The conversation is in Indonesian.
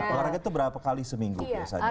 olahraga itu berapa kali seminggu biasanya